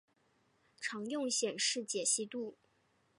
常用显示解析度